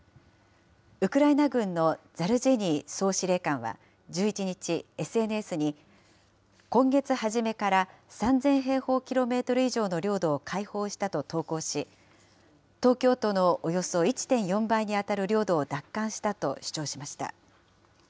ウクライナ軍のザルジニー総司令官は１１日、ＳＮＳに、今月初めから３０００平方キロメートル以上の領土を解放したと投稿し、東京都のおよそ１．４倍に当たる領土を奪還したと主張しました。